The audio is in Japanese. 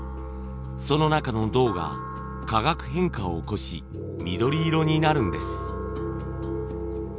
その中の銅が化学変化を起こし緑色になるんです。